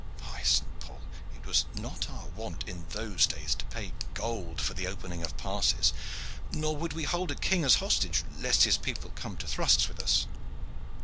By Saint Paul! it was not our wont in those days to pay gold for the opening of passes, nor would we hold a king as hostage lest his people come to thrusts with us.